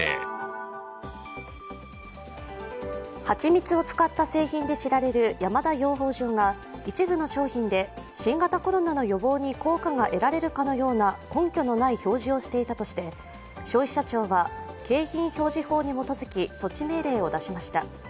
蜂蜜を使った製品などで知られる山田養蜂場が一部の商品で新型コロナの予防に効果が得られるかのような根拠のない表示をしていたとして、消費者庁は景品表示法に基づき措置命令を出しました。